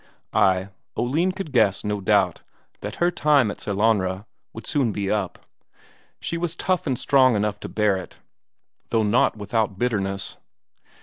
Ay, Oline could guess, no doubt, that her time at Sellanraa would soon be up; she was tough and strong enough to bear it, though not without bitterness.